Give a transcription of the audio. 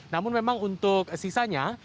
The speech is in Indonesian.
namun memang untuk sisanya